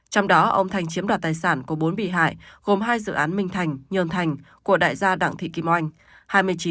trong đó ông thành chiếm đoạt tài sản của bốn bị hại gồm hai dự án minh thành nhơn thành của đại gia đảng thị kim oanh